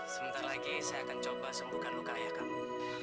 sebentar lagi saya akan coba sembuhkan luka ayah kamu